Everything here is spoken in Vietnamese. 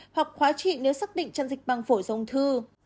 hoặc khóa trị nếu xác định chăn dịch măng phổi dông thư